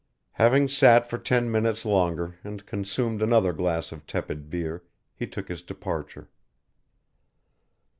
Having sat for ten minutes longer and consumed another glass of tepid beer, he took his departure.